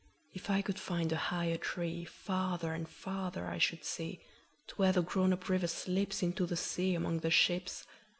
If I could find a higher treeFarther and farther I should see, To where the grown up river slipsInto the sea among the ships.